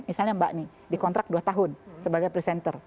misalnya mbak nih dikontrak dua tahun sebagai presenter